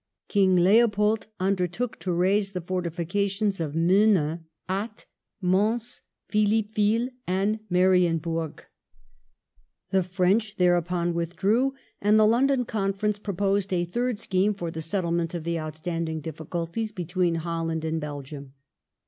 King Leopold undertook to raze the fortifications of Menin, Ath, Mons, Phillippeville and Marionburg; the French thereupon withdrew, and the London Conference proposed a third scheme for the settle ment of the outstanding difficulties between Holland and Belgium.